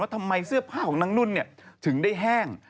ทำไมเสื้อผ้าของนางนุ่นถึงได้แห้ง